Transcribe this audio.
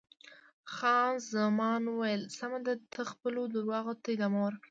خان زمان وویل: سمه ده، ته خپلو درواغو ته ادامه ورکړه.